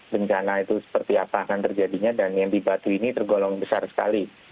bencana itu seperti apa akan terjadinya dan yang di batu ini tergolong besar sekali